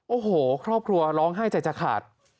โอ้โหครอบครัวร้องไห้ใจจะขาด